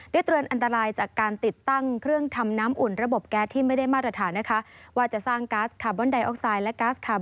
ได้เตือนอันตรายจากการติดตั้งเครื่องทำน้ำอุ่นระบบแก๊สที่ไม่ได้มาตรฐานนะคะ